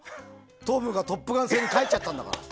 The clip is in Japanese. トムが「トップガン」星に帰っちゃったんだから。